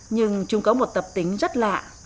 nhưng chúng có một tập tính rất lạ